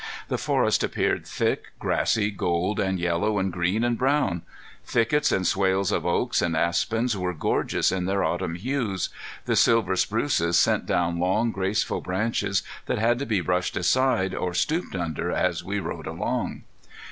The forest appeared thick, grassy, gold and yellow and green and brown. Thickets and swales of oaks and aspens were gorgeous in their autumn hues. The silver spruces sent down long, graceful branches that had to be brushed aside or stooped under as we rode along.